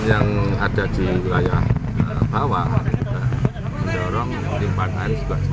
banjir yang ada di wilayah bawah menjauhkan timpanan semakin banyak